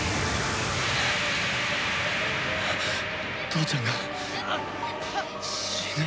父ちゃんが死ぬ！？